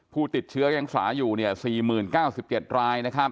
ผู้ติดเชื้อยังฝาอยู่๔๐๙๗ราย